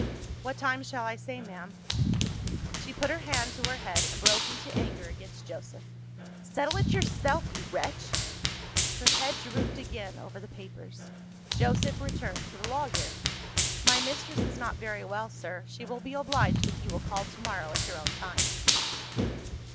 "What time shall I say, ma'am?" She put her hand to her head and broke into anger against Joseph. "Settle it yourself, you wretch!" Her head drooped again over the papers. Joseph returned to the lawyer. "My mistress is not very well, sir. She will be obliged if you will call to morrow, at your own time."